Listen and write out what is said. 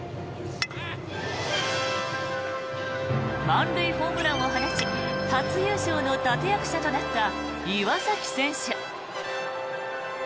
満塁ホームランを放ち初優勝の立役者となった岩崎選手。